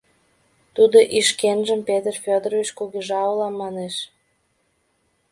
Тудо ишкенжым «Петр Федорович кугижа улам» манеш.